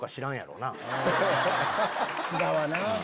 菅田はな。